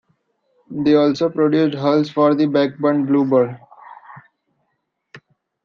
They also produced hulls for the Blackburn Bluebird.